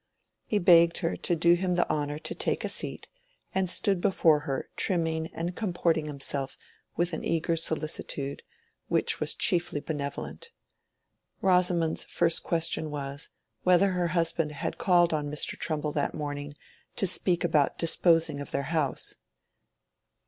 He begged her to do him the honor to take a seat, and stood before her trimming and comporting himself with an eager solicitude, which was chiefly benevolent. Rosamond's first question was, whether her husband had called on Mr. Trumbull that morning, to speak about disposing of their house.